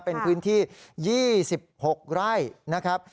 เป็นพื้นที่๒๖ไร่นะครับ